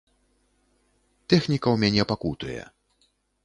Тэхніка ў мяне пакутуе.